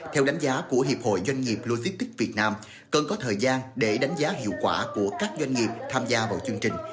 theo đánh giá của hiệp hội doanh nghiệp logistics việt nam cần có thời gian để đánh giá hiệu quả của các doanh nghiệp tham gia vào chương trình